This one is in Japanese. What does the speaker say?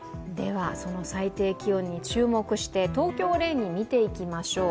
その最低気温に注目して東京を例に見てみましょう。